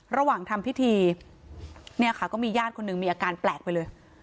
ระหว่างทำพิธีเนี่ยค่ะก็มีญาติคนหนึ่งมีอาการแปลกไปเลย